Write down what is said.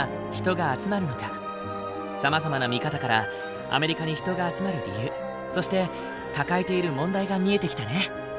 さまざまな見方からアメリカに人が集まる理由そして抱えている問題が見えてきたね。